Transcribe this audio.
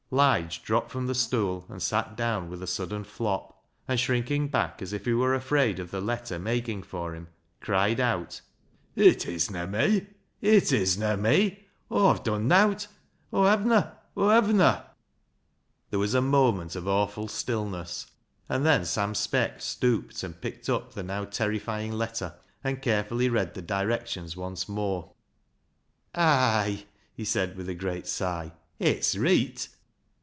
LIGE'S LEGACY 151 Ligc dropped from the stool and sat down with a sudden flop, and, shrinking back as if he were afraid of the letter making for him, cried out —" It isna me ! It isna me ! Azvve done nowt. Aw hav'na ! Aw hav'na !!" There was a moment of awful stillness, and then Sam Speck stooped and picked up the now terrifying letter, and carefully read the directions once more. " Ay !" he said, with a great sigh ;" it's reet